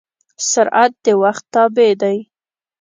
سرعت د وخت تابع دی.